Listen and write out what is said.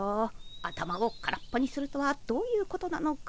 頭を空っぽにするとはどういうことなのか。